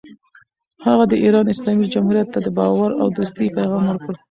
هغه د ایران اسلامي جمهوریت ته د باور او دوستۍ پیغام ورکړ.